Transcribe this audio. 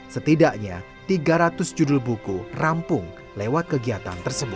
setidaknya tiga ratus judul buku rampung lewat kegiatan tersebut